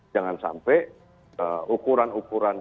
jangan sampai ukuran ukuran